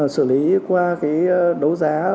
xử lý qua cái đấu giá